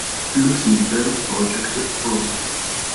Lucifer Project Vol.